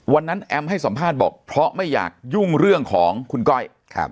แอมให้สัมภาษณ์บอกเพราะไม่อยากยุ่งเรื่องของคุณก้อย